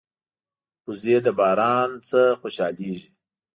وزې د باران نه خوشحالېږي